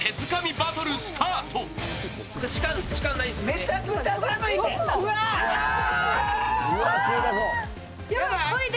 めちゃくちゃ寒いで。